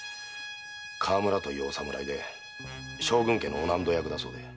河村というお侍で将軍家の御納戸役だそうで。